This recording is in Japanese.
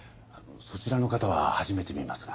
そちらの方は初めて見ますが。